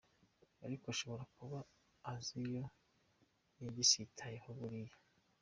Ariko ashobora kuba azi ko yagisitayeho buriya.